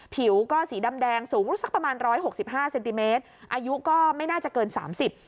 ผิวก็สีดำแดงสูงสักประมาณร้อยหกสิบห้าเซนติเมตรอายุก็ไม่น่าจะเกินสามสิบ